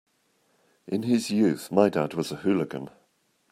In his youth my dad was a hooligan.